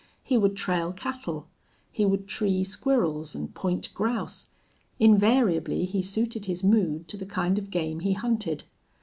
He would trail cattle. He would tree squirrels and point grouse. Invariably he suited his mood to the kind of game he hunted.